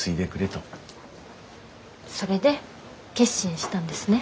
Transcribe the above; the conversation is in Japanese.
それで決心したんですね。